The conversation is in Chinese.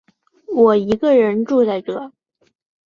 我一个人住在这